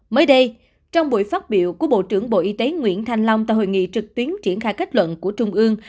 mới đây trong buổi phát biểu của bộ trưởng bộ y tế nguyễn thanh long tại hội nghị trực tuyến triển khai kết luận của trung ương